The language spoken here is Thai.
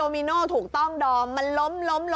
มันลืม